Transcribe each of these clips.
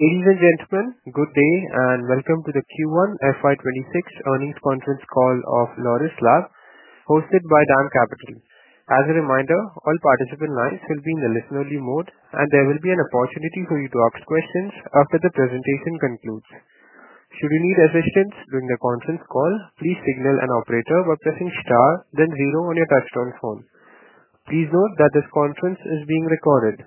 Ladies and gentlemen, good day, and welcome to the Q1 FY 'twenty six Earnings Conference Call of Laurus Lab hosted by DAM Capital. As a reminder, all participant lines will be in a listen only mode, and there will be an opportunity for you to ask questions after the presentation concludes. Please note that this conference is being recorded.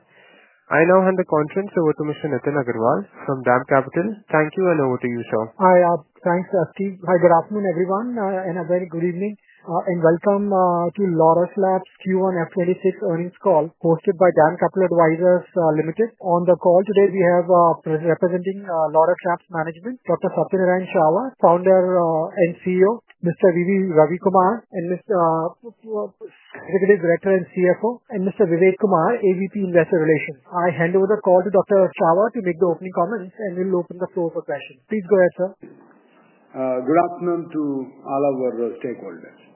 I now hand the conference over to mister Nitin Agarwal from DAM Capital. Thank you, and over to you, sir. Hi. Thanks, Afti. Hi. Good afternoon, everyone, and a very good evening, And welcome to Lotus Labs q one f twenty six earnings call posted by Dan Kaplan Advisors Limited. On the call today, we have representing Lotus Labs management, doctor Satinarayan Shahar, founder and CEO, mister Ravi Kumar and mister executive director and CFO, and mister Vivek Kumar, AVP, investor relations. I hand over the call to doctor Shahwa to make the opening comments, and we'll open the floor for questions. Please go ahead, sir. Good afternoon to all our stakeholders.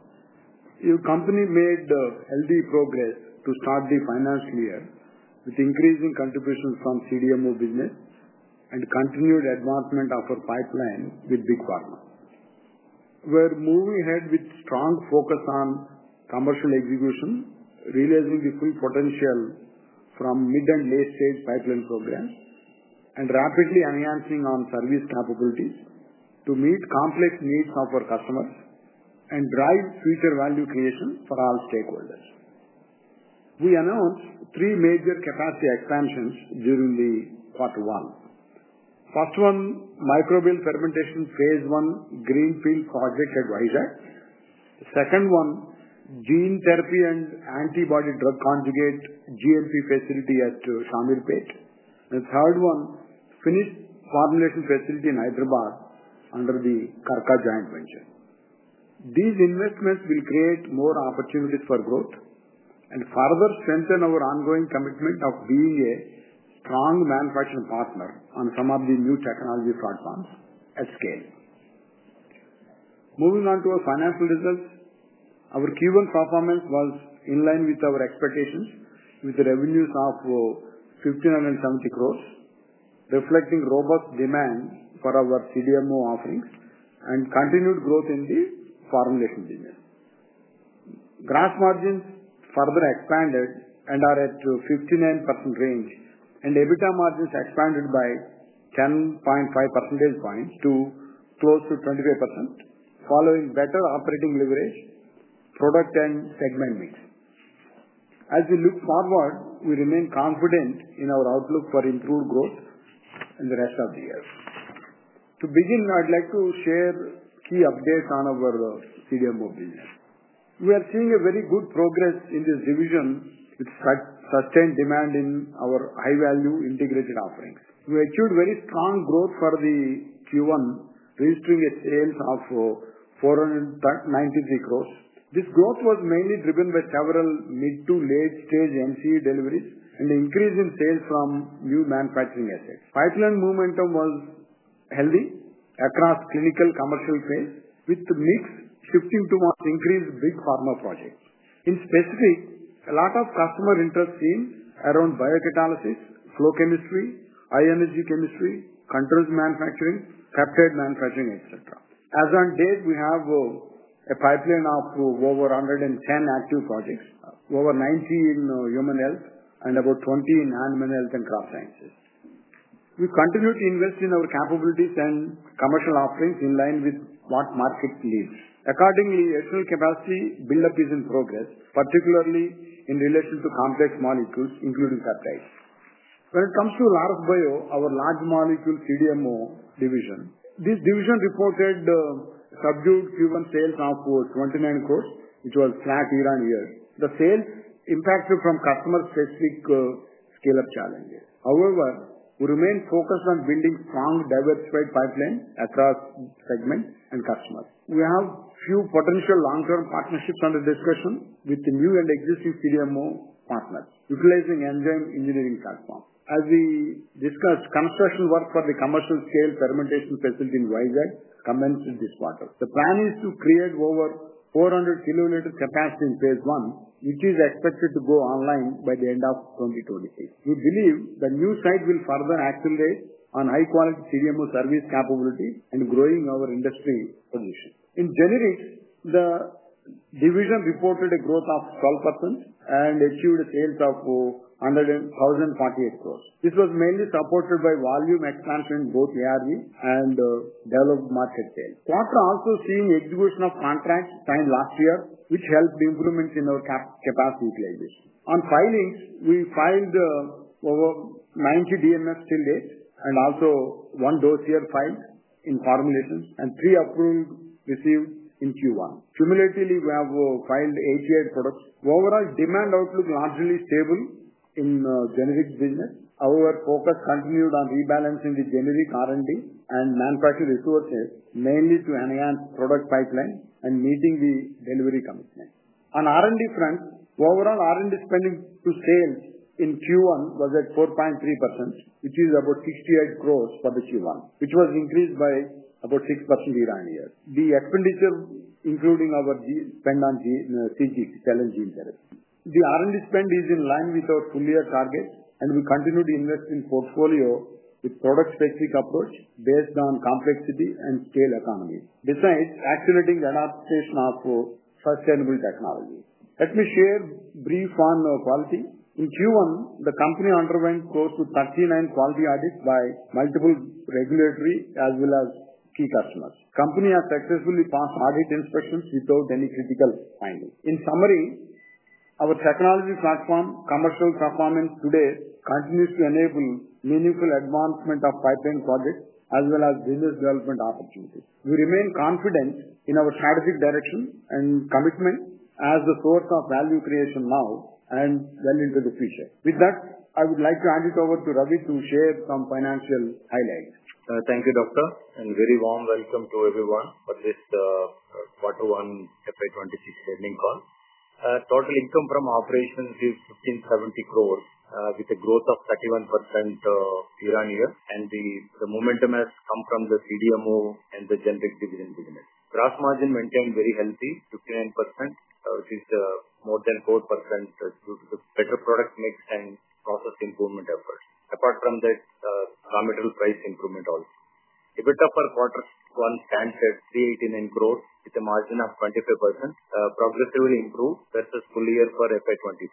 Your company made healthy progress to start the financial year with increasing contribution from CDMO business and continued advancement of our pipeline with big pharma. We're moving ahead with strong focus on commercial execution, realizing the full potential from mid and late stage pipeline programs and rapidly enhancing our service capabilities to meet complex needs of our customers and drive future value creation for our stakeholders. We announced three major capacity expansions during the quarter one. First one, microbial fermentation Phase one greenfield project at WiSAK second one, gene therapy and antibody drug conjugate GMP facility at Shamir Pate and third one, finished formulation facility in Hyderabad under the Karka joint venture. These investments will create more opportunities for growth and further strengthen our ongoing commitment of being a strong manufacturing partner on some of the new technology platforms at scale. Moving on to our financial results. Our Q1 performance was in line with our expectations with revenues of $15.70 crores, reflecting robust demand for our CDMO offerings and continued growth in the formulation business. Gross margins further expanded and are at 59% range and EBITDA margins expanded by 10.5 percentage points to close to 25%, following better operating leverage, product and segment mix. As we look forward, we remain confident in our outlook for improved growth in the rest of the year. To begin, I'd like to share key updates on our CDMO business. We are seeing a very good progress in this division with sustained demand in our high value integrated offerings. We achieved very strong growth for the Q1, registering a sales of crores. This growth was mainly driven by several mid to late stage MCE deliveries and the increase in sales from new manufacturing assets. Pipeline momentum was healthy across clinical commercial phase with the mix shifting to more increased big pharma projects. In specific, a lot of customer interest seen around biocatalysis, flow chemistry, high energy chemistry, controls manufacturing, peptide manufacturing, etcetera. As on date, we have a pipeline of over 110 active projects, over 90 in human health and about 20 in animal health and craft sciences. We continue to invest in our capabilities and commercial offerings in line with what market needs. Accordingly, additional capacity buildup is in progress, particularly in relation to complex molecules, including peptides. When it comes to Larabio, our large molecule CDMO division, this division reported subdued Q1 sales now for 29 crores, which was flat year on year. The sales impacted from customer specific scale up challenges. However, we remain focused on building strong diversified pipeline across segment and customers. We have few potential long term partnerships under discussion with the new and existing CDMO partners, utilizing enzyme engineering platform. As we discussed, construction work for the commercial scale fermentation facility in YZ commenced in this quarter. The plan is to create over 400 kilonewton capacity in Phase one, which is expected to go online by the end of twenty twenty three. We believe the new site will further accelerate on high quality CDMO service capability and growing our industry solution. In generics, the division reported a growth of 12% and achieved a sales of crores. This was mainly supported by volume expansion in both ARV and developed market sales. We are also seeing the execution of contracts signed last year, which helped the improvement in our capacity utilization. On filings, we filed over 90 DMS till date and also one dose here filed in formulations and three approved received in Q1. Cumulatively, we have filed AGI products. Overall demand outlook largely stable in generics business. Our focus continued on rebalancing the generic R and D and manufacturing resources, mainly to enhance product pipeline and meeting the delivery commitment. On R and D front, overall R and D spending to sales in Q1 was at 4.3%, which is about 68 crores for the Q1, which was increased by about 6% year on year. The expenditure including our spend on C6, challenge in tariff. The R and D spend is in line with our full year target and we continue to invest in portfolio with product specific approach based on complexity and scale economy. Besides activating the adaptation of sustainable technology. Let me share brief on quality. In Q1, the company underwent close to 39 quality audits by multiple regulatory as well as key customers. Company has successfully passed audit inspections without any critical findings. In summary, our technology platform commercial performance today continues to enable meaningful advancement of pipeline projects as well as business development opportunities. We remain confident in our strategic direction and commitment as a source of value creation now and well into the future. With that, I would like to hand it over to Ravi to share some financial highlights. Thank you, doctor, and very warm welcome to everyone for this quarter one FY 'twenty six earnings call. Total income from operations is INR $15.70 crores with a growth of 31% year on year, and the momentum has come from the CDMO and the generic division business. Gross margin maintained very healthy, 59%, which is more than 4% due to better product mix and process improvement effort. Apart from that, raw material price improvement also. EBITDA per quarter one stands at three eighty nine growth with a margin of 25%, progressively improved versus full year for FY 'twenty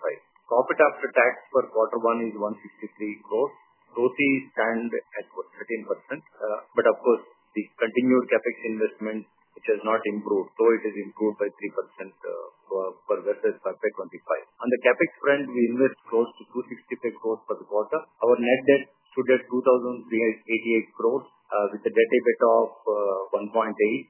five. Profit after tax for quarter one is $1.63 growth. Growth is stand at 13%, but of course, the continued CapEx investment, which has not improved. So it has improved by 3% for versus FY 'twenty five. On the CapEx trend, we invest close to two sixty five growth for the quarter. Our net debt stood at $2,003.08 88 growth with a debt EBITDA of 1.8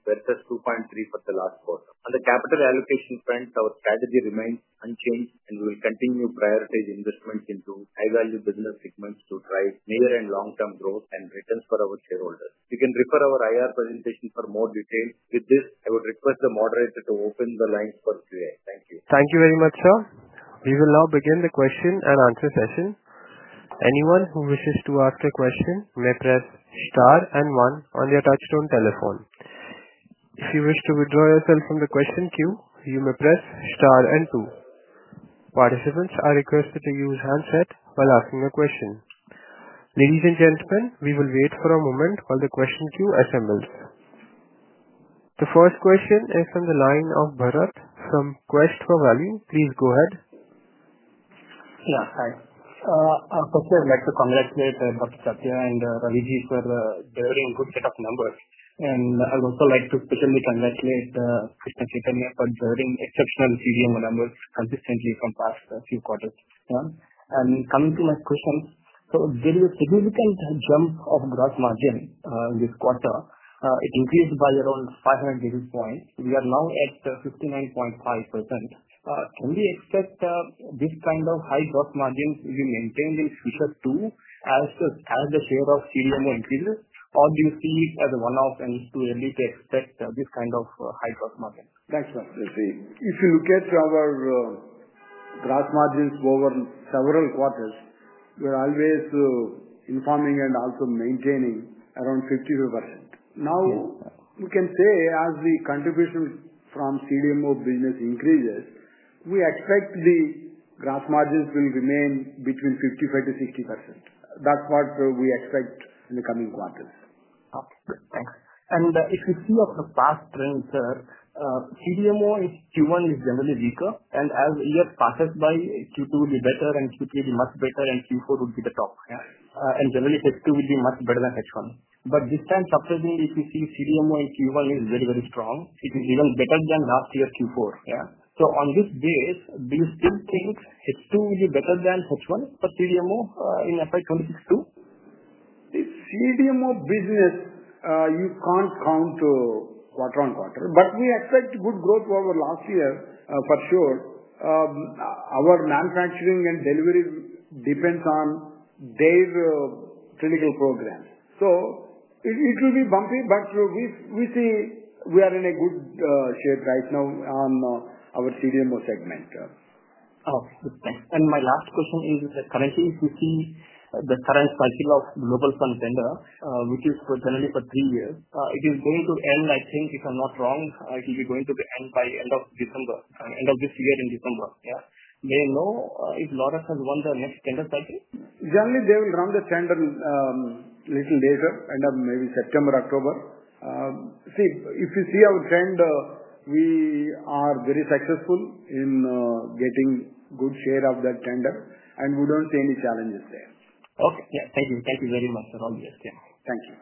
versus 2.3 for the last quarter. On the capital allocation front, our strategy remains unchanged, and we'll continue prioritizing this month into high value business segments to drive near and long term growth and returns for our shareholders. You can refer our IR presentation for more details. With this, I would request the moderator to open the lines for Q and A. Thank you. Thank you very much, sir. We will now begin the question and answer session. Participants are requested to use handset while asking a question. Ladies and gentlemen, we will wait for a moment while the question queue assembles. The first question is from the line of Bharat from Quest for Value. Please go ahead. Yeah. Hi. First, I'd like to congratulate Bhakti Satya and Ravi for bearing good set of numbers. And I'd also like to especially congratulate Krishna Chitanya for bearing exceptional CDMO numbers consistently from past few quarters. And coming to my question, so there is a significant jump of gross margin this quarter. It increased by around 500 basis points. We are now at 59.5%. Can we expect this kind of high gross margins will be maintained in future too as the share of CDMO increases? Or do you see it as a one off and it's too early to expect this kind of high gross margin? Thanks, sir. You see, if you look at our gross margins over several quarters, we're always informing and also maintaining around 52%. Now we can say as the contribution from CDMO business increases, we expect the gross margins will remain between 55% to 60%. That's what we expect in the coming quarters. Okay. Thanks. And if you see of the past trends, CDMO in q one is generally weaker. And as year passes by, q two will be better and q three will be much better and q four will be the top. Yeah. And generally, phase two will be much better than h one. But this time, subsequently, if you see CDMO in q one is very, very strong. It is even better than last year's q four. Yeah. So on this date, do you still think h two will be better than h one for CDMO in FY twenty six two? The CDMO business, you can't count quarter on quarter, but we expect good growth over last year for sure. Our manufacturing and delivery depends on their clinical programs. So it it will be bumpy, but we we see we are in a good shape right now on our CDMO segment. Okay. Good. Thanks. And my last question is that, currently, if you see the current cycle of Global Fund tender, which is for generally for three years, it is going to end, I think, if I'm not wrong, it will be going to end by December, end of this year in December. Yeah? May I know if Lotus has won the next tender cycle? Generally, they will run the tender little later, end of maybe September, October. See, if you see our tender, we are very successful in getting good share of that tender, and we don't see any challenges there. Okay. Yes. Thank you. Thank you very much. All the best. Yes. Thank you.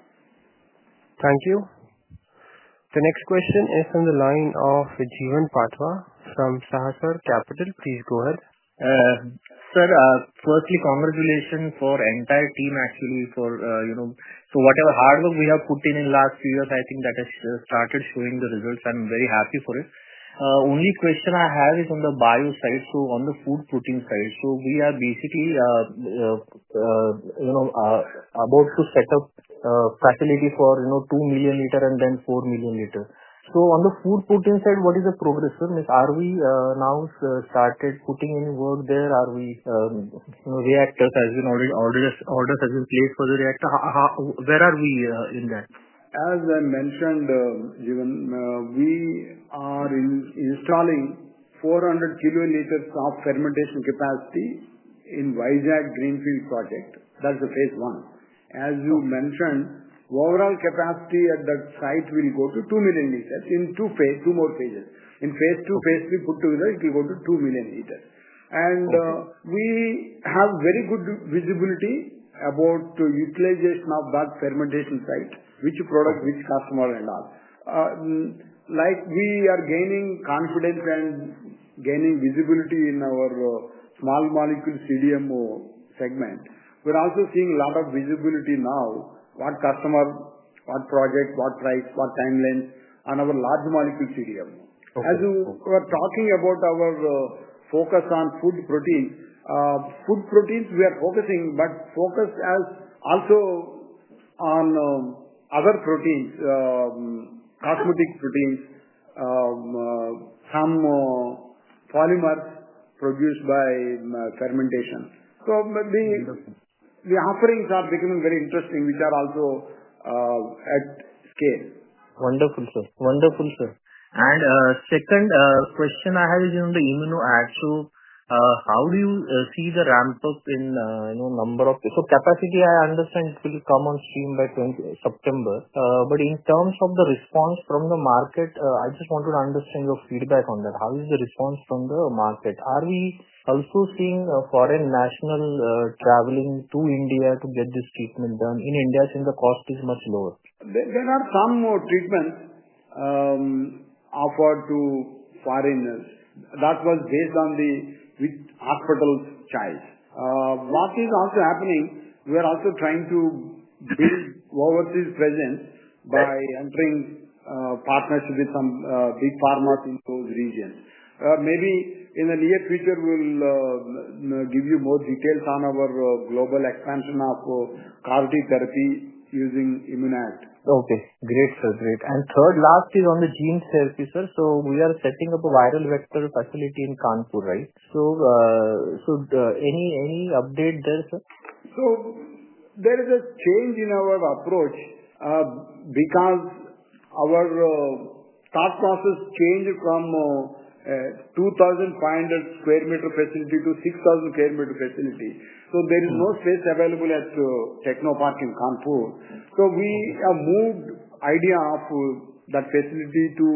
Thank you. The next question is from the line of Jeevan Patwa from Sahasar Capital. Please go ahead. Sir, firstly, congratulations for entire team actually for, you know so whatever hardware we have put in in last few years, I think that has started showing the results. I'm very happy for it. Only question I have is on the bio side, so on the food putting side. So we are basically, you know, about to set up facility for, you know, 2,000,000 liter and then 4,000,000 liter. So on the food putting side, what is the progress, sir? Are we now started putting any work there? Are we reactors has been orders has been placed for the reactor? Where are we in that? As I mentioned, given, we are installing 400 kilonewton liters of fermentation capacity in Wijac Greenfield project. That's the Phase one. As you mentioned, overall capacity at that site will go to 2,000,000 liters in two phase two more phases. In phase two, phase three put together, it will go to 2,000,000 liters. And we have very good visibility about utilization of that fermentation site, which product, which customer and all. Like we are gaining confidence and gaining visibility in our small molecule CDMO segment. We're also seeing a lot of visibility now, what customer, what project, what price, what time line and our large molecule CDM. As you were talking about our focus on food protein, food proteins we are focusing, but focus as also on other proteins, cosmetic proteins, some polymers produced by fermentation. So the offerings are becoming very interesting, which are also Wonderful, sir. Wonderful, sir. And second question I have is on the Immuno Ads. So how do you see the ramp up in, you know, number of so capacity, I understand, will come on stream by twenty September. But in terms of the response from the market, I just wanted to understand your feedback on that. How is the response from the market? Are we also seeing a foreign national traveling to India to get this treatment done? In India, since the cost is much lower. There are some more treatments offered to foreigners. That was based on the hospital's child. What is also happening, we are also trying to build overseas presence by entering partnership with some big pharma in those regions. Maybe in the near future, we'll give you more details on our global expansion of CAR T therapy using Immunat. Okay. Great, sir. Great. And third, last is on the gene therapy, sir. So we are setting up a viral vector facility in Kanpur. Right? So so any any update there, sir? So there is a change in our approach because our thought process changed from 2,500 square meter facility to 6,000 square meter facility. So there is no space available at Technopark in Kanpur. So we have moved idea of that facility to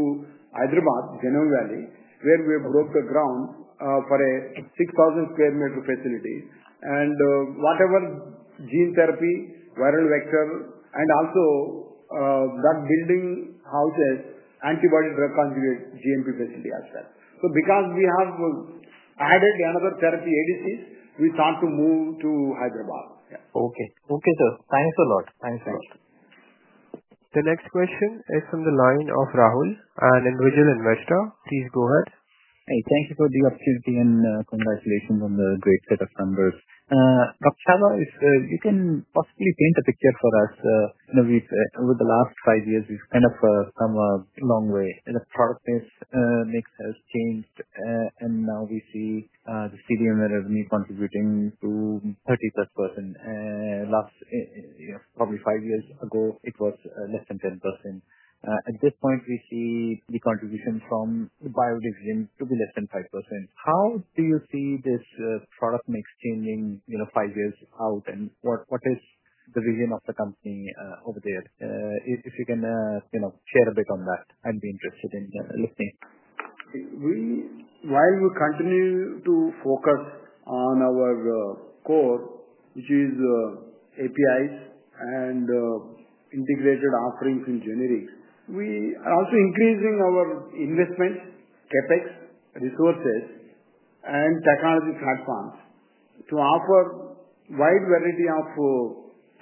Hyderabad, Genome Valley, where we have broke the ground for a 6,000 square meter facility. And whatever gene therapy, viral vector and also drug building houses, antibody drug conjugate GMP facility as well. So because we have added another therapy ADC, we start to move to Hyderabad. Okay. Okay, sir. Thanks a lot. Thanks a lot. The next question is from the line of Rahul, an individual investor. Please go ahead. Hey, thank you for the opportunity and congratulations on the great set of numbers. But, Shala, if you can possibly paint a picture for us, you know, with over the last five years, we've kind of come a long way. And the product mix has changed, and now we see the CDM revenue contributing to 30 plus percent. Last, you know, probably five years ago, it was less than 10%. At this point, we see the contribution from the biodiesel to be less than 5%. How do you see this product mix changing, you know, five years out and what what is the vision of the company over there? If if you can, you know, share a bit on that, I'd be interested in the listing. We while we continue to focus on our core, which is APIs and integrated offerings in generics, we are also increasing our investments, CapEx, resources and technology platforms to offer wide variety of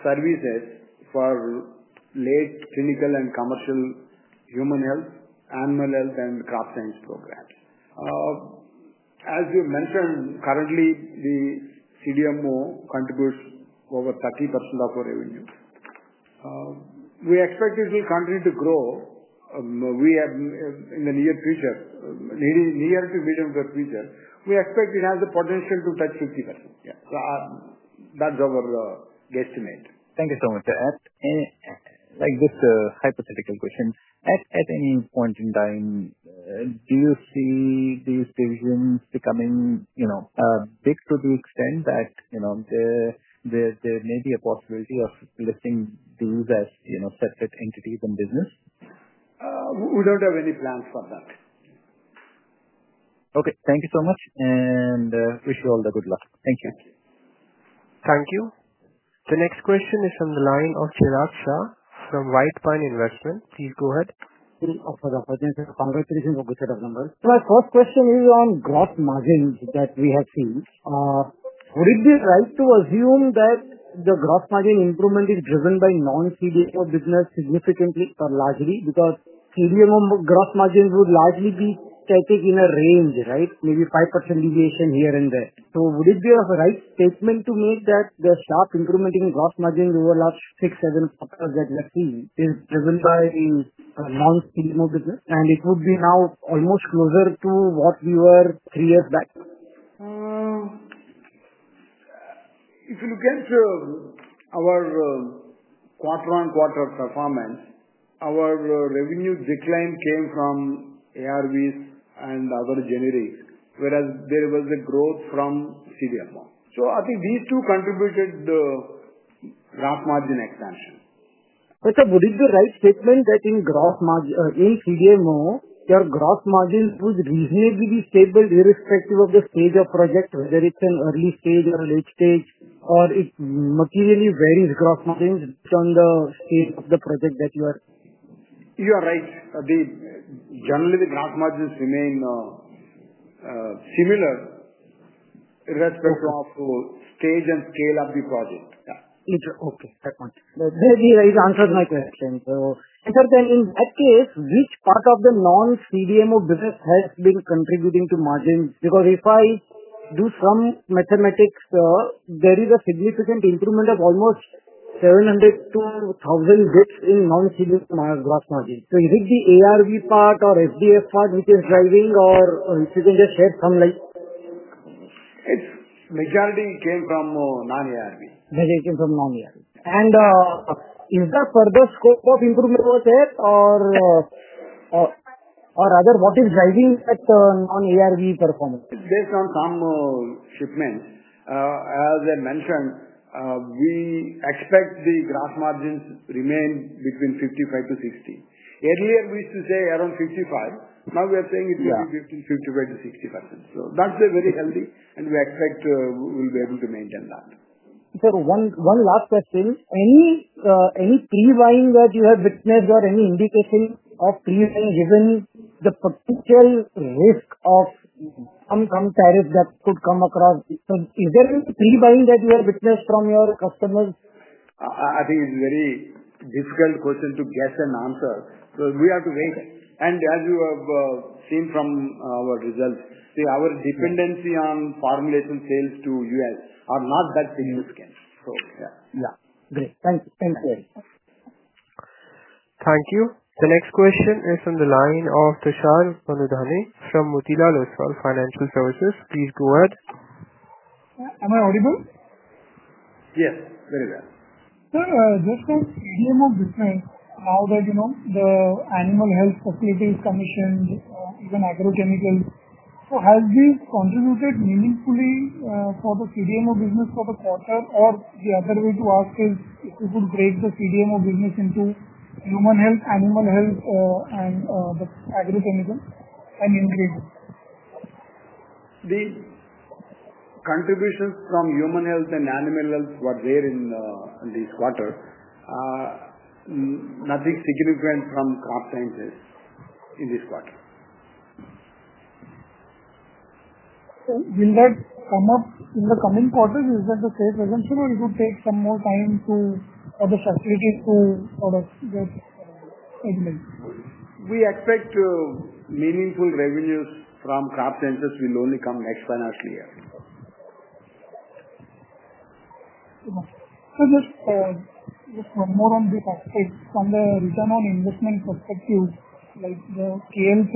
services for late clinical and commercial human health, animal health and crop science programs. As we've mentioned, currently, the CDMO contributes over 30% of our revenue. We expect this will continue to grow. We have in the near future, near to medium to the future, we expect it has a potential to touch 50%. So that's our guesstimate. Thank you so much. Like just a hypothetical question, at any point in time, do you see these decisions becoming, you know, big to the extent that, you know, the the there may be a possibility of listing these as, you know, separate entities and business? We don't have any plans for that. Okay. Thank you so much, wish you all the good luck. Thank you. Thank you. The next question is from the line of Chirag Shah from White Pine Investment. Please go ahead. Please offer the opportunity. Congratulations on good set of numbers. My first question is on gross margins that we have seen. Would it be right to assume that the gross margin improvement is driven by non CD four business significantly or largely? Because CDMO gross margins would largely be taking a range. Right? Maybe 5% deviation here and there. So would it be a right statement to meet that the sharp increment in gross margin over last six, seven quarters that let's see is driven by a non P and L business, and it would be now almost closer to what we were three years back. If you look at our quarter on quarter performance, our revenue decline came from ARVs and other generic, whereas there was a growth from CDMO. So I think these two contributed the gross margin expansion. But, sir, what is the right statement that in gross margin in CDMO, your gross margin would reasonably be stable irrespective of the stage of project, whether it's an early stage or late stage, or it materially varies gross margins from the state of the project that you are You are right. The generally, the gross margins remain similar. That's the proper stage and scale of the project. It's okay. That one. That really answered my question. So and, sir, then in that case, which part of the non CDMO business has been contributing to margin? Because if I do some mathematics, sir, there is a significant improvement of almost 700 to a thousand bits in non series glass margin. So is it the ARV part or SDF part which is driving or or is it in the shed from, like It's majority came from non ARV. Majority came from non And is that further scope of improvement was there? Or rather, what is driving that on ARV performance? Based on some shipments, as I mentioned, we expect the gross margins remain between 55 to 60. Earlier, we used to say around 55. Now we are saying it will be 55 to 60%. So that's very healthy, and we expect we'll be able to maintain that. Sir, one last question. Any pre buying that you have witnessed or any indication of pre buying given the potential risk of some tariff that could come across? So is there any pre buying that you have witnessed from your customers? I think it's very difficult question to get an answer because we have to wait. And as you have seen from our results, see, our dependency on formulation sales to U. S. Are not that significant. Yes. Yes. Great. Thanks, guys. Thank you. The next question is from the line of Tushar Panudhani from financial services. Please go ahead. Am I audible? Yes. Very well. Sir, just on how that, you know, the animal health facility is commissioned, even agrochemical. So has this contributed meaningfully for the CDMO business for the quarter? Or the other way to ask is, if you could break the CDMO business into human health, animal health and the agrochemical and increase? The contributions from human health and animal health were there in this quarter, nothing significant from cost sciences in this quarter. Will that come up in the coming quarters? Is that the same assumption or it would take some more time to or the security for for that segment? We expect meaningful revenues from craft centers will only come next financial year. So just no different.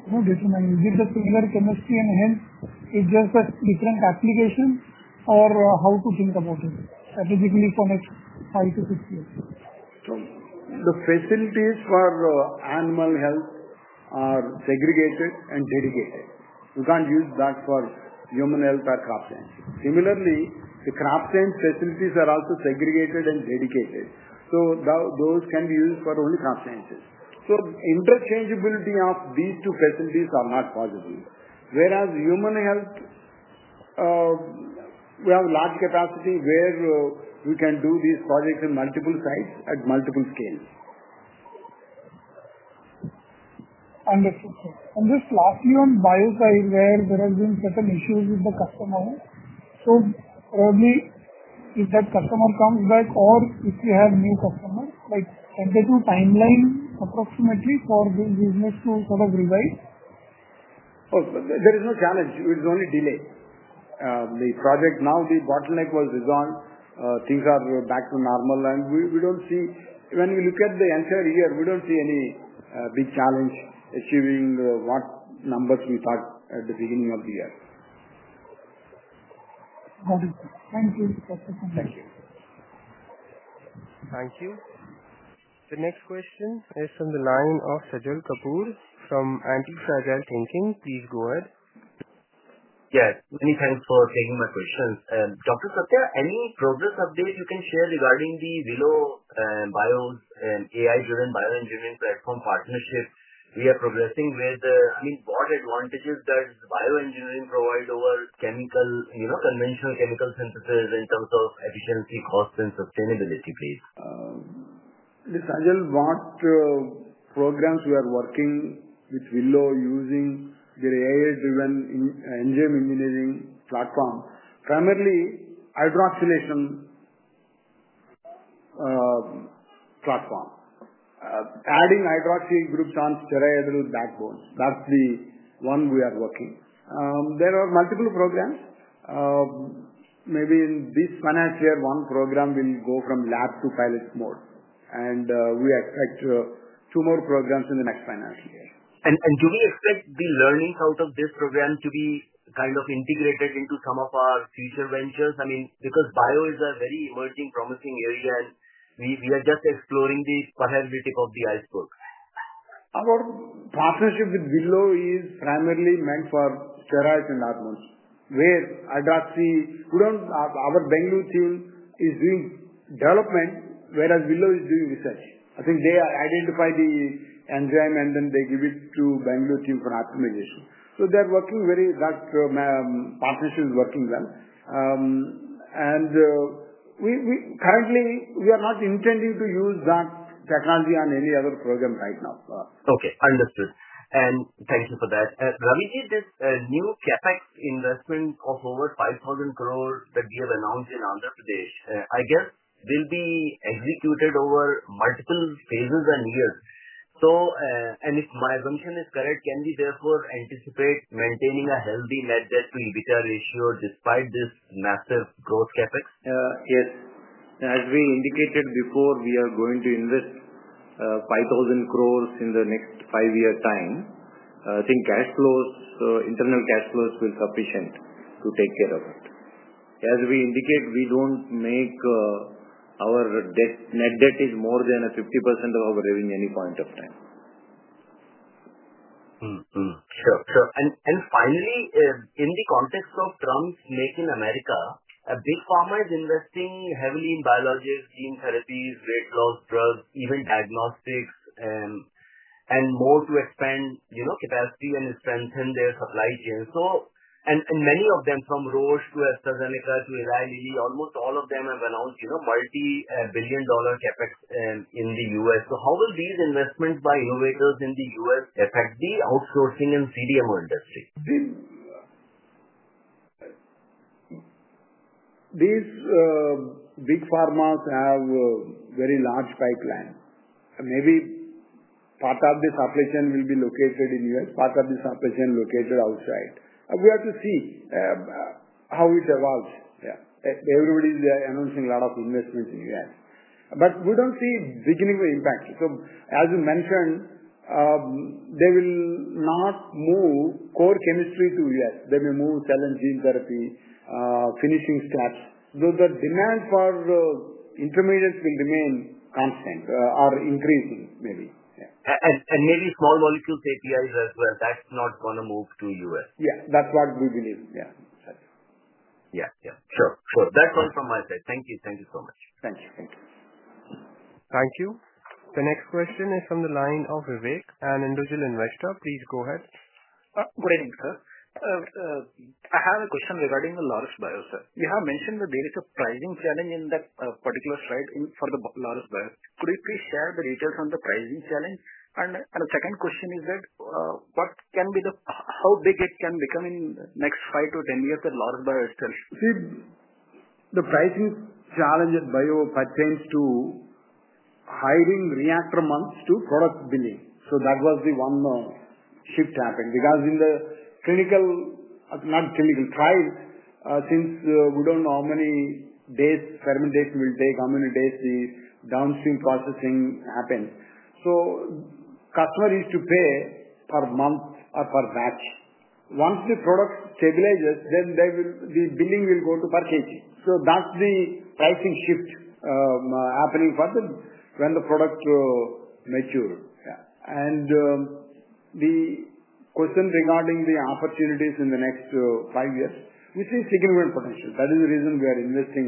Is it a similar chemistry and hence, it's just a different application or how to think about it, specifically for next five to six years? The facilities for animal health are segregated and dedicated. You can't use that for human health or craft science. Similarly, the craft science facilities are also segregated and dedicated. So those can be used for only craft sciences. So interchangeability of these two facilities are not possible. Whereas human health, we have large capacity where we can do these projects in multiple sites at multiple scales. Understood, sir. And just lastly on bio side, where there has been certain issues with the customer. So probably, if that customer comes back or if you have new customers, like can there be timeline approximately for this business to sort of revise? There is no challenge. It's only delay. The project now the bottleneck was resolved, things are back to normal. And we don't see when we look at the entire year, we don't see any big challenge achieving what numbers we thought at the beginning of the year. Thank you. The next question is from the line of from Antifragile Thinking. Please go ahead. Yes. Many thanks for taking my questions. Doctor, progress update you can share regarding the Villo Bio and AI driven bioengineering platform partnership we are progressing with, I mean, what advantages does bioengineering provide over chemical, you know, conventional chemical synthesis in terms of efficiency cost and sustainability, please? This is what programs we are working with Willow using the AI driven engineering platform, primarily hydroxylation platform. Adding Hydroxy, Bruchsan, Stera Azerul backbone, that's the one we are working. There are multiple programs. Maybe in this financial year, one program will go from lab to pilot mode. And we expect two more programs in the next financial year. And and do we expect the learnings out of this program to be kind of integrated into some of our future ventures? I mean, because bio is a very emerging promising area, we we are just exploring the possibility of the iceberg. Our partnership with Billow is primarily meant for steroids and arsenals, where I got the who don't our our Bengal team is doing development, whereas Billo is doing research. I think they are identified the enzyme and then they give it to Bengal team for optimization. So they're working very that partnership is working well. And we we currently, we are not intending to use that technology on any other program right now. Understood. And thank you for that. Ramiti, this new CapEx investment of over 5,000 crores that we have announced in Andhra Pradesh, I guess, will be executed over multiple phases and years. So, and if my assumption is correct, can we therefore anticipate maintaining a healthy net debt to EBITDA ratio despite this massive growth CapEx? Yes. As we indicated before, we are going to invest 5,000 crores in the next five year time. I think cash flows, internal cash flows will sufficient to take care of it. As we indicate, we don't make our debt net debt is more than 50% of our revenue in any point of time. Sure. Sure. And finally, in the context of Trump's Make in America, a big pharma is investing heavily in biologics, gene therapies, rate laws, drugs, even diagnostics, and and more to expand, you know, capacity and strengthen their supply chain. So and and many of them from Roche to AstraZeneca to Eli Lilly, almost all of them have announced, you know, multi billion dollar CapEx in The US. So how will these investments by innovators in The US affect the outsourcing and CDMO industry? These big pharmas have very large pipeline. Maybe part of the supply chain will be located in U. S, part of the supply chain located outside. We have to see how it evolves. Everybody is announcing a lot of investments in U. S. We don't see a beginning of impact. So as we mentioned, they will not move core chemistry to U. S. They will move cell and gene therapy, finishing steps. Though the demand for intermediates will remain constant or increasing maybe. And maybe small molecules API as well, that's not going to move to US. Yeah. That's what we believe. Yeah. Right. Yeah. Yeah. Sure. Sure. That's all from my side. Thank you. Thank you so much. Thank you. Thank you. The next question is from the line of Vivek, an individual investor. Please go ahead. Good evening, sir. I have a question regarding the large buyer, sir. You have mentioned that there is a pricing challenge in that particular site in for the large buyer. Could you please share the details on the pricing challenge? And and the second question is that, what can be the how big it can become in next five to ten years at large buyer sales? See, the pricing challenge at Bio pertains to hiring reactor months to product billing. So that was the one shift happened. Because in the clinical not clinical trial, since we don't know how many days fermentation will take, how many days the downstream processing happens. So customer is to pay per month or per batch. Once the product stabilizes, then they will the billing will go to per kg. So that's the pricing shift happening for them when the product mature. The question regarding the opportunities in the next five years, we see significant potential. That is the reason we are investing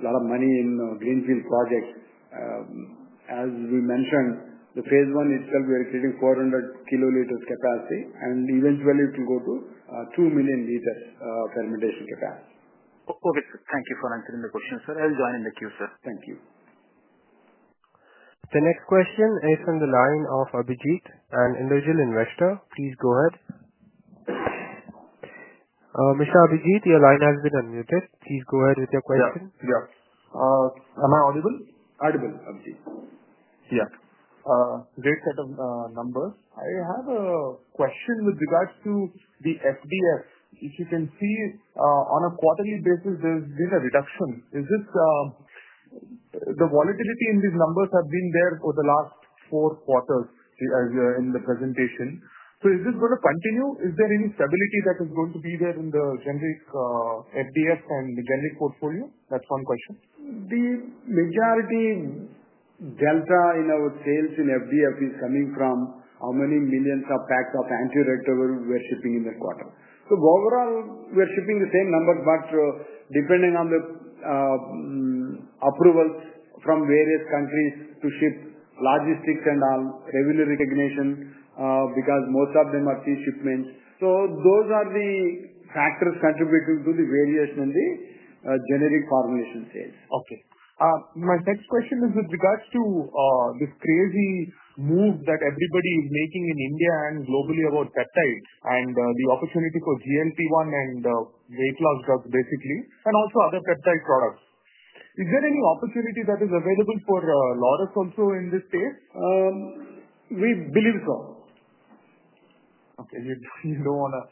a lot of money in greenfield projects. As we mentioned, the Phase one itself, we are exceeding 400 kiloliters capacity and eventually it will go to 2,000,000 liters of fermentation capacity. Okay, sir. Thank you for answering the question, sir. I'll join in the queue, sir. Thank you. The next question is from the line of Abhijit, an individual investor. Please go ahead. Mister Abhijit, your line has been unmuted. Please go ahead with your question. Yeah. Am I audible? Audible, Abhijit. Yeah. Great set of numbers. I have a question with regards to the FBS. If you can see on a quarterly basis, there's been a reduction. Is this the volatility in these numbers have been there for the last four quarters in the presentation. So is this going to continue? Is there any stability that is going to be there in the generic FBS and generic portfolio? That's one question. The majority delta in our sales in FDF is coming from how many millions of packs of anti retroviral we're shipping in the quarter. So overall, we're shipping the same number, but depending on the approvals from various countries to ship logistics and all, revenue recognition, because most of them are fee shipments. So those are the factors contributing to the variation in the generic formulation sales. Okay. My next question is with regards to this crazy move that everybody is making in India and globally about peptides and the opportunity for GLP-one and weight loss drugs basically and also other peptide products. Is there any opportunity that is available for LORUS also in this case? We believe so. Okay. You you don't wanna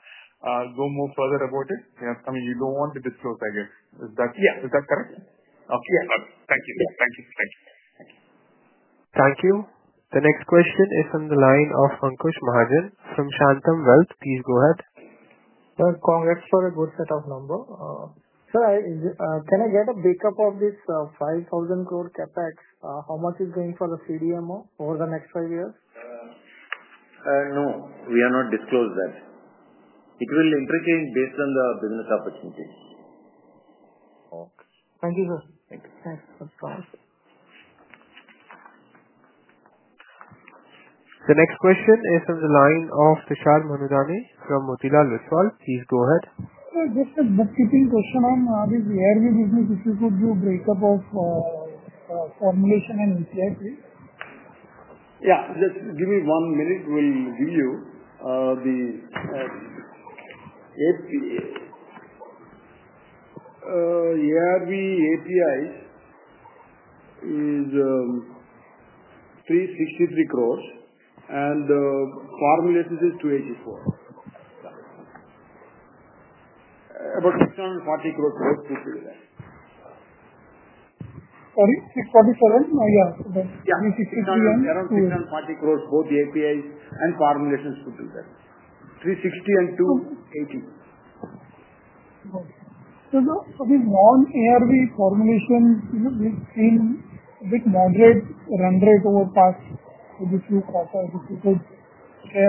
go more further about it? Yeah. I mean, you don't want to disclose, I guess. Is that Yeah. Is that correct? Okay. Yes. Thank you. Thank you. Thank you. You. The next question is from the line of Pankaj Mahajan from Shantam Wealth. Please go ahead. Sir, congrats for a good set of number. Sir, can I get a breakup of this 5,000 crore CapEx? How much is going for the CDMO over the next five years? No, we are not disclose that. It will interchange based on the business opportunity. Okay. Thank you, sir. Thanks for the call. The next question is from the line of Vishal from Motilal Resolve. Please go ahead. Sir, just a housekeeping question on this AirView business, if you could do breakup of formulation and. Yes. Just give me one minute. We'll give you the API. Yeah. We API is $3.63 crores and formulation is $2.84. About 640 crores, both the API and formulations could do that. $3.60 and $2.80. Okay. So now for this one, ARV formulation, you know, we've seen a bit moderate run rate over past, so this is process if you could We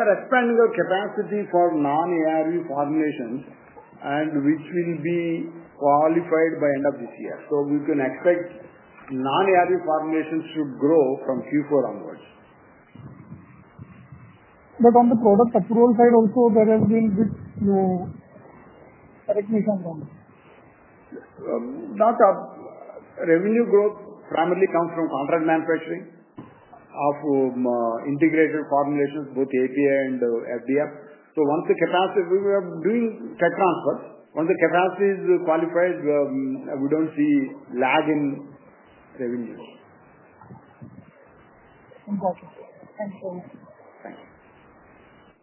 are expanding our capacity for non ARV formulations and which will be qualified by end of this year. So we can expect non ARV formulations to grow from Q4 onwards. But on the product approval side also there has been a bit, correct me if I'm wrong. Not our revenue growth primarily comes from contract manufacturing of integrated formulations, both API and FDF. So once the capacity, we were doing tech transfers. Once the capacity is qualified, we don't see lag in revenues. Got it. Thanks very much.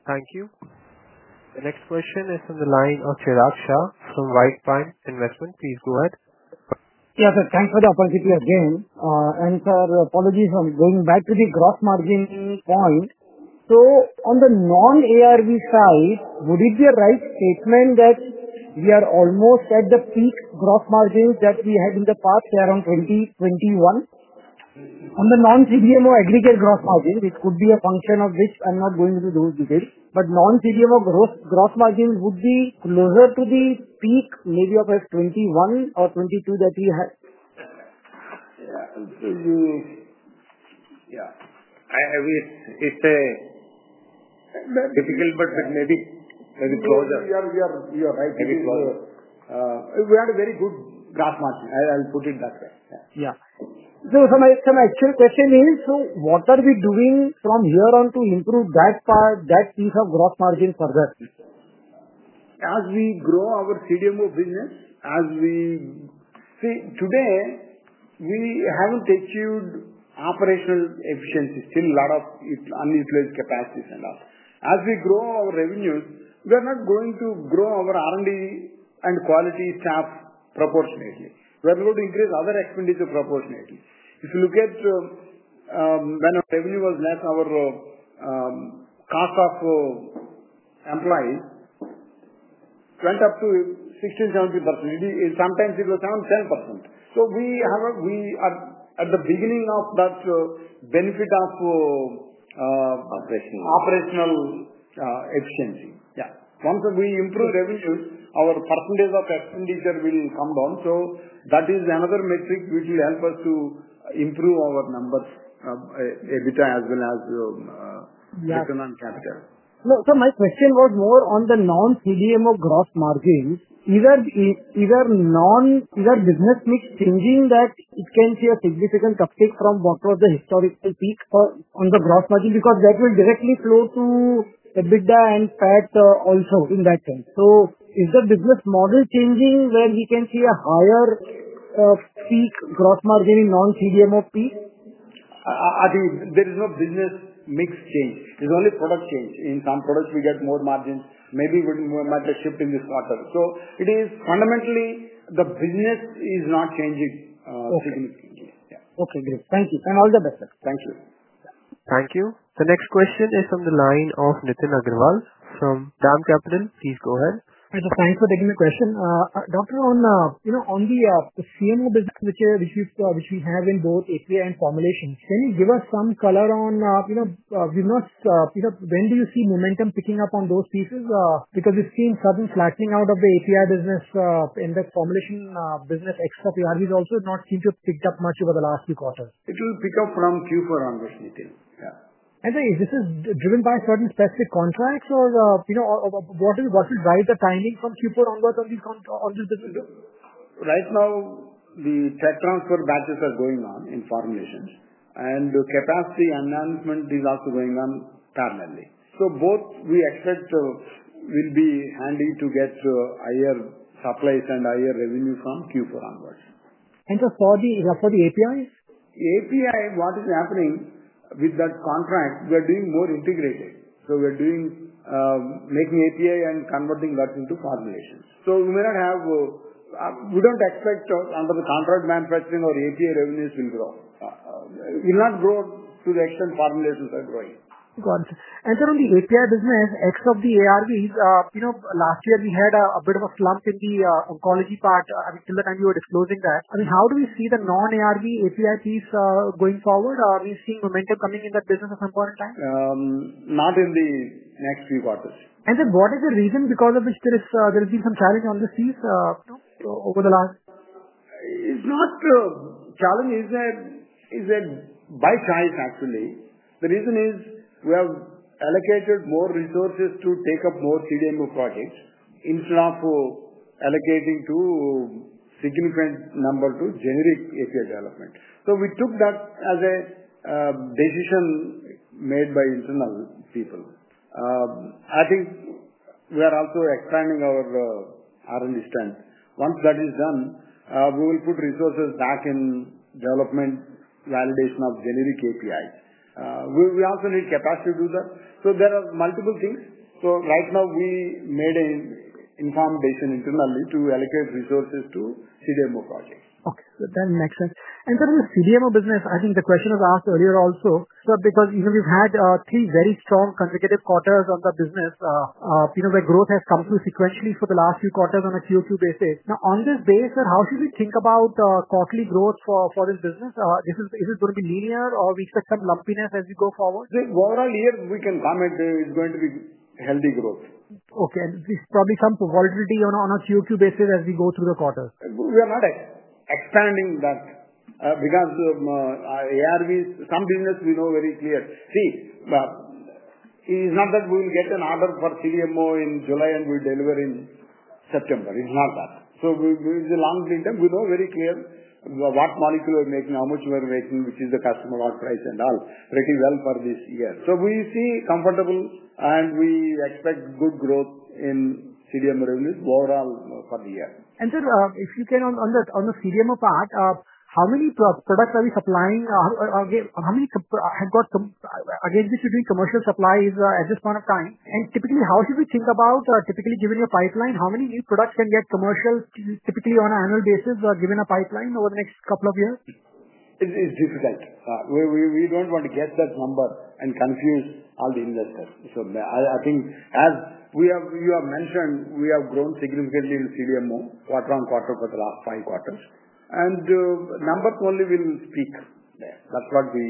Thank you. The next question is from the line of from Investment. Please go ahead. Yes, sir. Thanks for the opportunity again. And sir, apologies. I'm going back to the gross margin point. So on the non ARV side, would it be a right statement that we are almost at the peak gross margins that we had in the past around 2021? On the non CDMO aggregate gross margin, which could be a function of which, I'm not going to do those details, but non CDMO gross gross margin would be closer to the peak maybe of a '21 or '22 that we had. Yeah. Yeah. I mean, it's it's a difficult, it may be maybe closer. We are we are we are right. Maybe closer. We had a very good gross margin. I'll I'll put it that way. So Yeah. So my so my actual question is, so what are we doing from here on to improve that part, that piece of gross margin for that business? As we grow our CDMO business, as we see, today, we haven't achieved operational efficiency, still a lot of unutilized capacities and all. As we grow our revenues, we are not going to grow our R and D and quality staff proportionately. We are going to increase other expenditure proportionately. If you look at when our revenue was net, cost of employees went up to 17%. It is sometimes it was down 10%. So we have a we are at the beginning of that benefit of Operational. Operational efficiency. Yeah. Once we improve revenues, our percentage of expenditure will come down. So that is another metric which will help us to improve our numbers, EBITDA as well as return on capital. Sir, my question was more on the non CDMO gross margin. Is that is that non is that business mix changing that it can see a significant uptick from what was the historical peak on the gross margin? Because that will directly flow to EBITDA and factor also in that sense. So is the business model changing where we can see a higher peak gross margin in non CDMO peak? Adi, there is no business mix change. There's only product change. In some products, we get more margins. Maybe we might have shifted in this quarter. So it is fundamentally the business is not changing Okay, great. Thank you and all the best. Thank you. Thank you. The next question is from the line of Nitin Agarwal from DAM Capital. Please go ahead. Mister, thanks for taking the question. Doctor, on, you know, on the the CMO business which we have in both API and formulations, can you give us some color on, you know, we've not you know, when do you see momentum picking up on those pieces? Because it seems sudden flattening out of the API business in the formulation business, except the others also not seem to pick up much over the last few quarters. It will pick up from q four onwards, Nitin. Yeah. And this is driven by certain specific contracts or, you know, what will what will drive the timing from Q4 onwards on this on this? Right now, the tech transfer batches are going on in formulations. And capacity enhancement is also going on permanently. So both we expect will be handy to get higher supplies and higher revenue from Q4 onwards. And just for the APIs? API, what is happening with that contract, we are doing more integrated. So we are doing making API and converting that into formulations. So we may not have we don't expect under the contract manufacturing or API revenues will grow. We'll not grow to the extent formulations are growing. Got it. And sir, on the API business, ex of the ARVs, last year, we had a bit of a slump in the oncology part, I mean, till the time you were disclosing that. I mean, how do we see the non ARV API fees going forward? Are we seeing momentum coming in that business at some point in time? Not in the next few quarters. And then what is the reason because of which there is there has been some challenge on this piece over the last? It's not a challenge. It's that by size actually. The reason is we have allocated more resources to take up more CDMO projects in front of allocating to significant number to generic API development. So we took that as a decision made by internal people. I think we are also expanding our R and D strength. Once that is done, we will put resources back in development validation of generic API. We also need capacity to do that. So there are multiple things. So right now, we made an informed decision internally to allocate resources to CDMO projects. Okay. That makes sense. And then on the CDMO business, I think the question was asked earlier also. So because even you've had three very strong consecutive quarters of the business, you know, the growth has come through sequentially for the last few quarters on a q o q basis. Now on this basis, how should we think about quarterly growth for for this business? Is it is it gonna be linear or we expect some lumpiness as we go forward? The overall, yes, we can comment. It's going to be healthy growth. Okay. And there's probably some volatility on a on a q o q basis as we go through the quarter. We are not expanding that because of ARVs, some business we know very clear. See, it's not that we will get an order for CDMO in July and we deliver in September. It's not that. So it's a long term. We know very clear what molecule we're making, how much we're making, which is the customer or price and all, pretty well for this year. So we see comfortable and we expect good growth in CDM revenues overall for the year. And sir, if you can on on the on the CDM apart, many products are we supplying? How many have got I guess, this is the commercial supply at this point of time. And typically, should we think about typically, given your pipeline, how many new products can get commercial typically on annual basis given a pipeline over the next couple of years? It's it's difficult. We we we don't want to get that number and confuse all the investors. So I think as we have you have mentioned, we have grown significantly in CDMO quarter on quarter for the last five quarters. And numbers only will speak. That's what we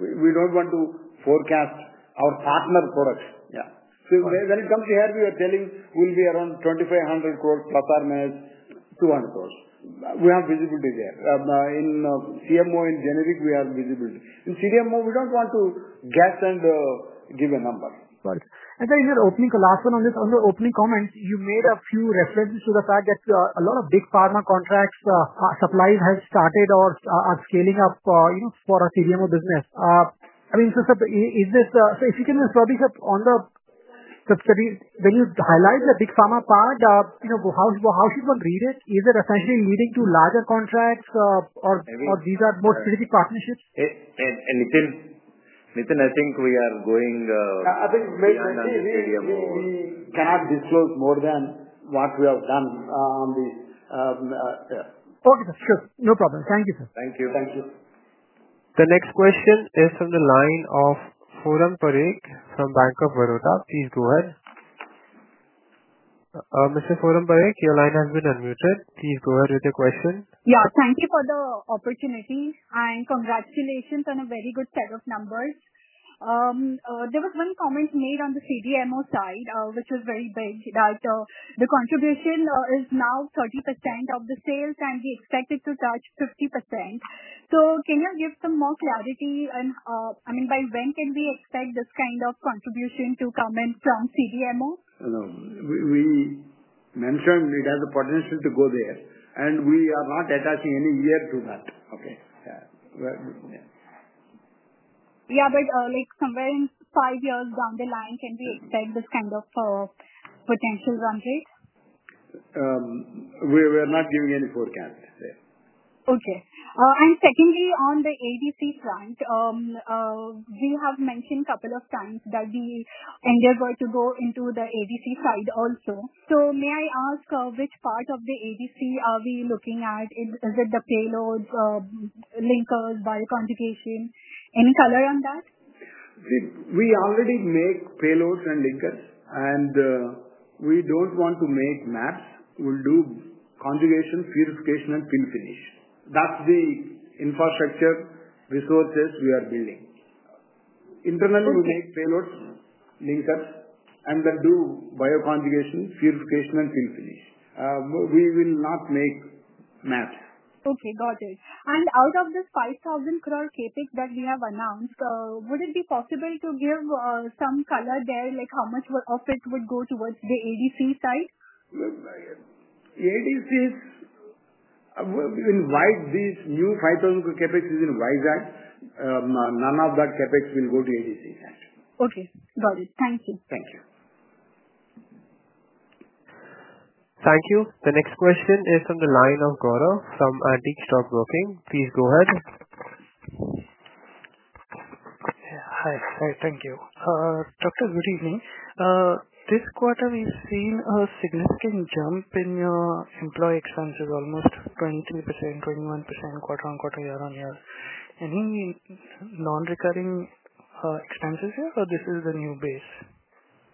we don't want to forecast our partner products. So when it comes here, we are telling we'll be around 2,500 crores plus RMA 200 crores. We have visibility there. In CMO and generic, we have visibility. In CDMO, we don't want to get and give a number. Got it. And then in your opening last one on this on your opening comments, you made a few references to the fact that a lot of big pharma contracts are supplied has started or are scaling up, you know, for our CDMO business. I mean, so, sir, is this so if you can just probably set on the so, sir, when you highlight the big pharma part, know, how how should one read it? Is it essentially leading to larger contracts or or or these are more strategic partnerships? And Nitin Nitin, I think we are going I think it's late in the we cannot disclose more than what we have done on the yeah. Okay, Sure. No problem. Thank you, sir. Thank you. Thank you. The next question is from the line of from Bank of Varota. Please go ahead. Mister, your line has been unmuted. Please go ahead with your question. Yeah. Thank you for the opportunity, and congratulations on a very good set of numbers. There was one comment made on the CDMO side, which is very big that the contribution is now 30% of the sales, and we expect it to touch 50%. So can you give some more clarity on I mean, by when can we expect this kind of contribution to come in from CDMO? No. We mentioned we have the potential to go there, and we are not attaching any year to that. Okay. Yeah. Yeah. But, like, somewhere in five years down the line, can we extend this kind of potential run rate? We're we're not giving any forecast there. Okay. And secondly, on the ADC front, we have mentioned couple of times that we endeavor to go into the ADC side also. So may I ask which part of the ADC are we looking at? Is it the payloads, linkers, bioconjugation? Any color on that? We already make payloads and linkers, and we don't want to make maps. We'll do conjugation, purification and fill finish. That's the infrastructure resources we are building. Internally, we'll make payloads, linkers and then do bioconjugation, purification and fill finish. We will not make math. Okay. Got it. And out of this 5,000 crore CapEx that we have announced, would it be possible to give some color there, like how much of it would go towards the ADC side? ADC is will invite this new 5,000 CapEx is in WiZac. None of that CapEx will go to ADC side. Okay. Got it. Thank you. Thank you. Thank you. The next question is from the line of Gaurav from Antique Stockbroking. Please go ahead. Yeah. Hi. Hi. Thank you. Doctor, good evening. This quarter, we've seen a significant jump in your employee expenses, almost 23%, 21% quarter on quarter, year on year. Any nonrecurring expenses here or this is the new base?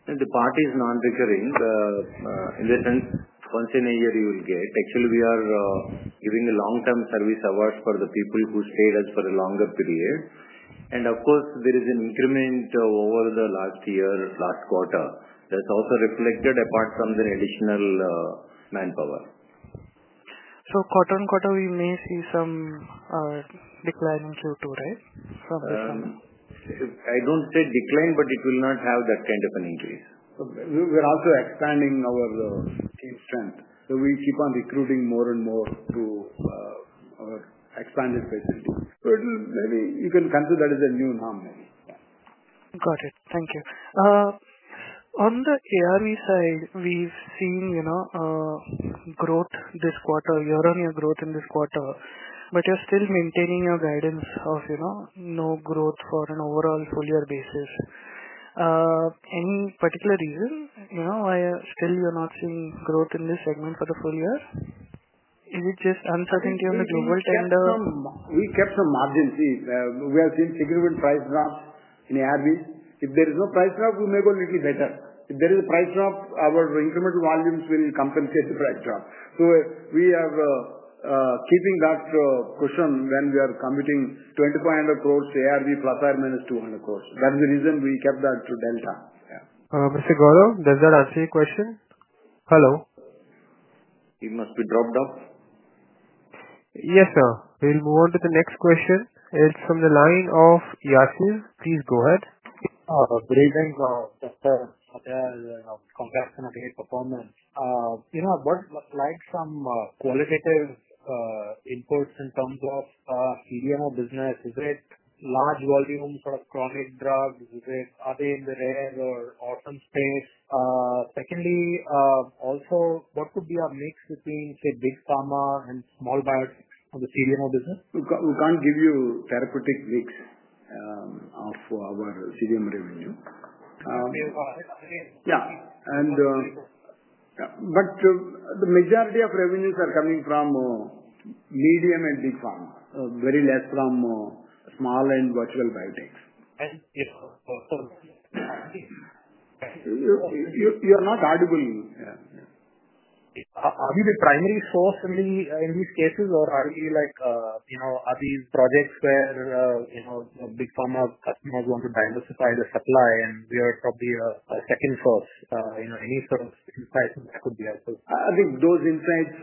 The part is nonrecurring. In the sense, once in a year you will get, actually we are giving a long term service awards for the people who stayed us for a longer period. And of course, there is an increment over the last year, last quarter, that's also reflected apart from the additional manpower. So quarter on quarter, we may see some decline in Q2, right, from this I don't say decline, but it will not have that kind of an increase. We're also expanding our team strength. So we keep on recruiting more and more to our expanded base. So it will maybe you can consider that as a new norm maybe. It. Thank you. On the ARV side, we've seen, you know, growth this quarter, year on year growth in this quarter, but you're still maintaining your guidance of, you know, no growth for an overall full year basis. Any particular reason, you know, why still you're not seeing growth in this segment for the full year? Is it just uncertainty on the global tender? We kept some margin, see. We have seen significant price drop in ARVs. If there is no price drop, we may go little bit better. If there is a price drop, our incremental volumes will compensate the price drop. So we are keeping that cushion when we are committing 25 INR plus or minus 200 crores. That's the reason we kept that to delta. Mr. Gaurav, does that answer your question? Hello? It must be dropped off. Yes, sir. We'll move on to the next question. It's from the line of Yashir. Please go ahead. Greetings, sir. You know, what like some qualitative inputs in terms of CDMO business? Is it large volume sort of chronic drug? Is it are they in the rare or orphan space? Secondly, also, what could be our mix between, say, big pharma and small biotech on the CDMO business? We can't give you therapeutic mix of our CDMO revenue. Yes. But the majority of revenues are coming from medium and big pharma, very less from small and virtual biotechs. And if you're not audible, Are we the primary source in these cases or are we like, you know, are these projects where, you know, big pharma customers want to diversify the supply and we are probably a a second source, you know, any sort of pricing that could be helpful? I think those insights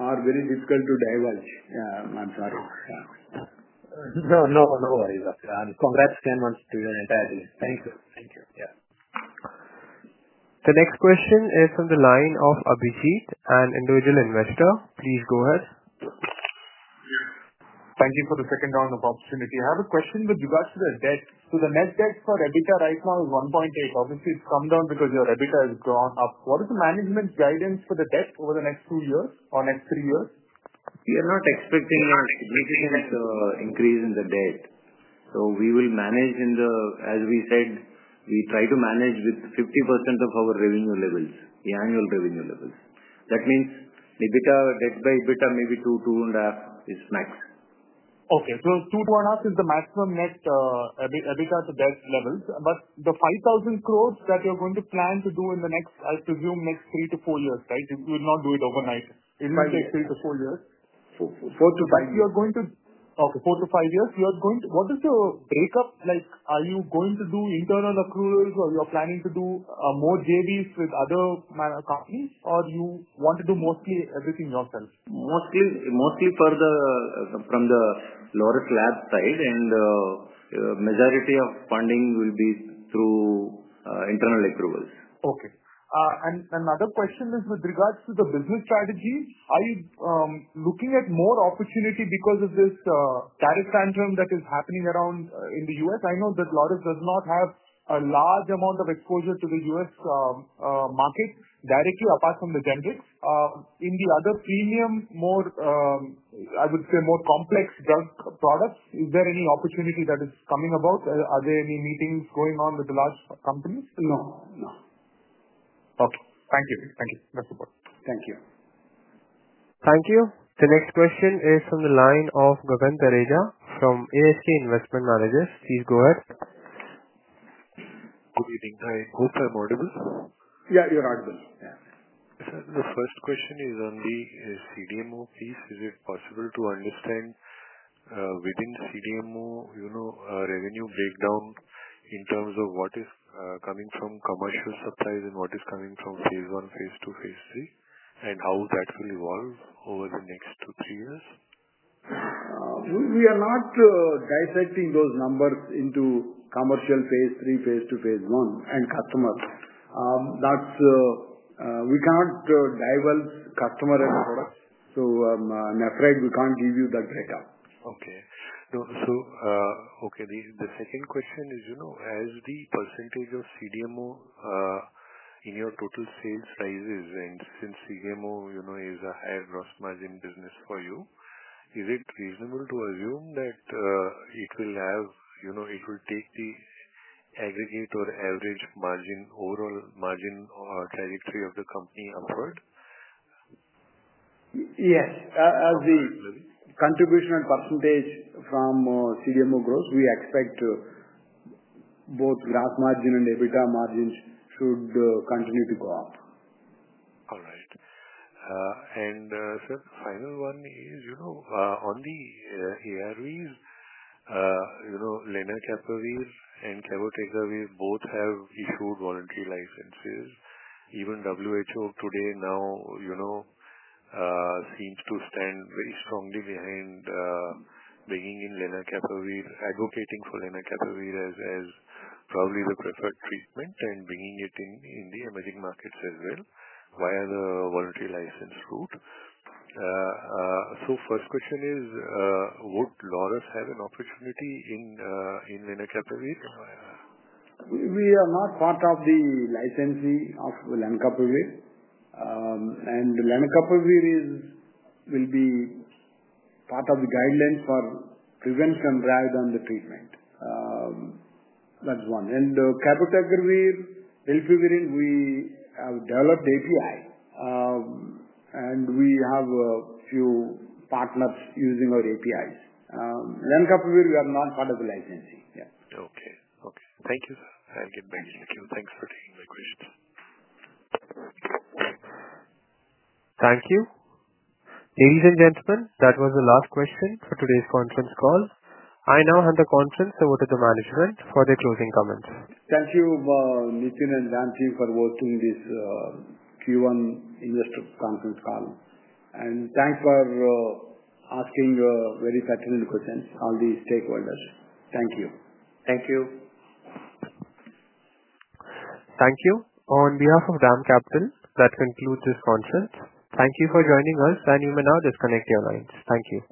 are very difficult to divert. I'm sorry. No. No. No worries. Ten months to your entire deal. Thank you. Thank you. Yeah. The next question is from the line of Abhijit, an individual investor. Please go ahead. Yes. Thank you for the second round of opportunity. I have a question with regards to the debt. So the net debt for EBITDA right now is 1.8. Obviously, it's come down because your EBITDA has gone up. What is the management's guidance for the debt over the next two years or next three years? We are not expecting significant increase in the debt. So we will manage in the as we said, we try to manage with 50% of our revenue levels, the annual revenue levels. That means EBITDA, debt by EBITDA maybe two, two point five is max. Okay. So two, two point five is the maximum net EBITDA to debt levels. But the 5,000 crores that you're going to plan to do in the I presume, next three to four years. Right? You will not do it overnight. It will take three to four years. Four to five. Four to you're going to okay. Four to five years, you are going what is the breakup? Like, are you going to do internal accruals or you're planning to do more JVs with other minor companies or you want to do mostly everything yourself? Mostly mostly for the from the Laureus Lab side and majority of funding will be through internal approvals. Okay. And another question is with regards to the business strategy. Are you looking at more opportunity because of this tariff tantrum that is happening around in The U. S? I know that Lotus does not have a large amount of exposure to The U. S. Market directly apart from the generics. In the other premium more, I would say, complex drug products, is there any opportunity that is coming about? Are there any meetings going on with the large companies? No. No. Okay. Thank you. Thank you. Best of luck. Thank you. Thank you. The next question is from the line of Gavan Tareja from ASK Investment Managers. Please go ahead. Good evening. Hi. Hope I'm audible. Yes, you're audible. Yes. Sir, the first question is on the CDMO piece. Is it possible to understand within CDMO revenue breakdown in terms of what is coming from commercial supplies and what is coming from Phase one, Phase two, Phase three? And how that will evolve over the next two, three years? We are not dissecting those numbers into commercial Phase III, Phase II, Phase I and customers. That's we can't divulge customer and product. So afraid we can't give you that data. Okay. So, okay, the second question is, as the percentage of CDMO in your total sales sizes and since CDMO is a higher gross margin business for you, is it reasonable to assume that it will have, you know, it will take the aggregate or average margin, overall margin or trajectory of the company upward? Yes. The contribution and percentage from CDMO gross, we expect both gross margin and EBITDA margins should continue to go up. Alright. And sir, final one is, on the ARVs, Lena Capraveer and Cavotekawir both have issued voluntary licenses. Even WHO today now seems to stand very strongly behind bringing in lanacapavir, advocating for lanacapavir as as probably the preferred treatment and bringing it in in the emerging markets as well via the voluntary license route. So first question is, would LORUS have an opportunity in lenacaparib? Are not part of the licensee of lenacaparib. And lamacopril will be part of the guidelines for prevention rather than the treatment. That's one. And cabotegravir, delpivirine, we have developed API, and we have a few partners using our APIs. Lanka, we are not part of the licensee. Okay. Okay. Thank you, sir. I'll get back in the queue. Thanks for taking my question. Thank you. Ladies and gentlemen, that was the last question for today's conference call. I now hand the conference over to the management for their closing comments. Thank you, Nitin and DAM team for working this Q1 investor conference call. And thanks for asking very pertinent questions, all the stakeholders. Thank you. Thank you. Thank you. On behalf of DAM Capital, that concludes this conference. Thank you for joining us, and you may now disconnect your lines. Thank you.